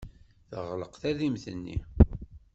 Teɣleq tadimt-nni.